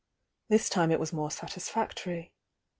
This time it was more sat isfactory.